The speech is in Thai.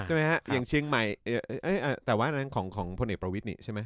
ใช่ไหมฮะอย่างเชียงใหม่แต่ว่าอันนั้นของพลเอกประวิทย์นี่ใช่ไหม